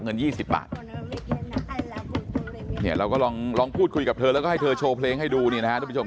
เงิน๒๐บาทเราก็ลองลองพูดคุยกับถ้าให้เธอโชว์เพลงให้ดูนะดูนะครับลองแนวติดหน่อยนะ